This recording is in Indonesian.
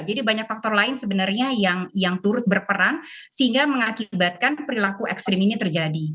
jadi banyak faktor lain sebenarnya yang turut berperan sehingga mengakibatkan perilaku ekstrim ini terjadi